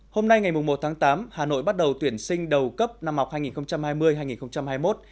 hôm nay ngày một tháng tám hà nội bắt đầu tuyển sinh đầu cấp năm học hai nghìn hai mươi hai nghìn hai mươi một